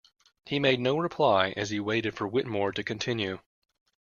He made no reply as he waited for Whittemore to continue.